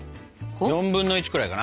４分の１くらいかな？